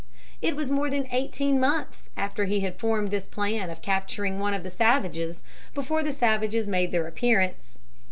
It was more than eighteen months after he had formed this plan of capturing one of the savages before the savages made their appearance.